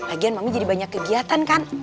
lagian mami jadi banyak kegiatan kan